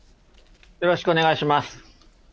よろしくお願いします。